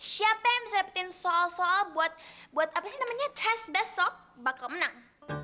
siapa yang bisa dapetin soal soal buat apa sih namanya thas besok bakal menang